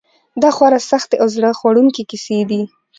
دا خورا سختې او زړه خوړونکې کیسې دي.